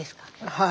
はい。